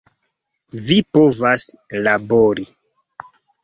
Vi povas labori!